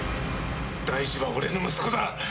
大二は俺の息子だ！